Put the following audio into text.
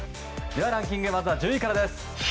ではランキングまずは１０位からです。